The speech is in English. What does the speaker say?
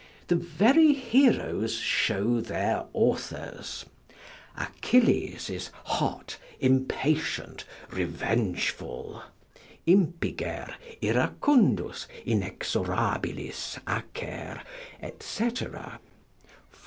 The very heroes shew their authors: Achilles is hot, impatient, revengeful, Impiger, iracundus, inexorabidis, acer &c.